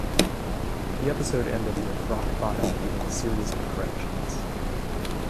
The episode ended with Rock Bottom giving a series of corrections.